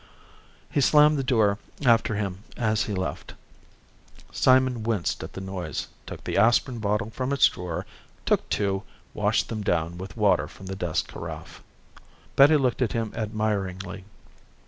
He slammed the door after him as he left. Simon winced at the noise, took the aspirin bottle from its drawer, took two, washed them down with water from the desk carafe. Betty looked at him admiringly.